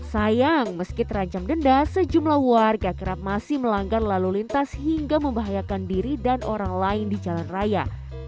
sayang meski terancam denda sejumlah warga kerap masih melanggar lalu lintas hingga membahayakan diri dan orang lain di jalan raya